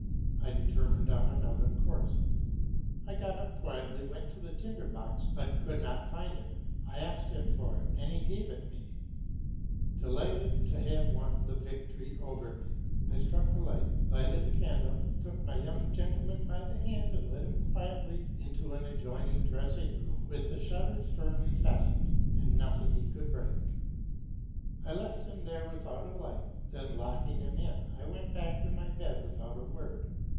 I determined on another course. I got up quietly, went to the tinder box, but could not find it; I asked him for it, and he gave it me, delighted to have won the victory over me. I struck a light, lighted the candle, took my young gentleman by the hand and led him quietly into an adjoining dressing room with the shutters firmly fastened, and nothing he could break. I left him there without a light; then locking him in I went back to my bed without a word.